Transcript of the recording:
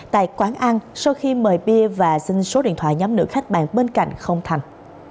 tại quán ăn sau khi mời bia và xin số điện thoại nhóm nữ khách bàn bên cạnh không thành